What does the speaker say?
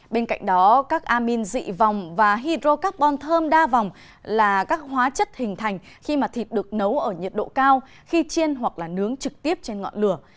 bên cạnh đó các amin dị vòng và hydro carbon thơm đa vòng là các hóa chất hình thành khi mà thịt được nấu ở nhiệt độ cao khi chiên hoặc là nướng trực tiếp trên ngọn lửa